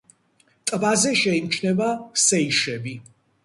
ტბაზე შეიმჩნევა სეიშები.